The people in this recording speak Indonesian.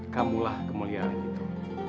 kamulah kemuliaan itu